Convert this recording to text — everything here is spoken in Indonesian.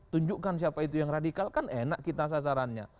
tunjukkan siapa itu yang radikal kan enak kita sasarannya